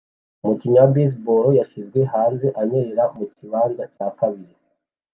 Umukinyi wa baseball yashizwe hanze anyerera mukibanza cya kabiri